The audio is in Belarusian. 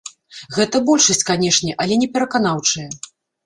Гэта большасць, канешне, але непераканаўчая.